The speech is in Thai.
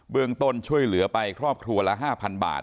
ต้นช่วยเหลือไปครอบครัวละ๕๐๐บาท